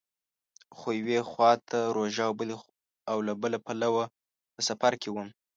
خو یوې خوا ته روژه او له بله پلوه په سفر کې وم.